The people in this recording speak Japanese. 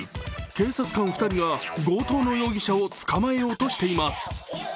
警察官２人が強盗の容疑者を捕まえようとしています。